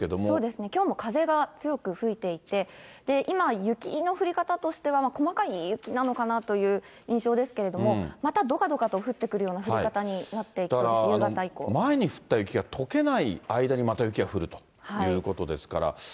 そうですね、きょうも風が強く吹いていて、今、雪の降り方としては、細かい雪なのかなという印象ですけれども、またどかどかと降ってくるような降り方になっていきそうです、前に降った雪がとけない間にまた雪が降るということですから。